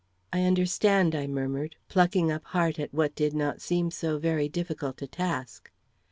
"I understand," I murmured, plucking up heart at what did not seem so very difficult a task.